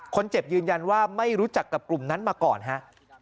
ยืนยันว่าไม่รู้จักกับกลุ่มนั้นมาก่อนฮะ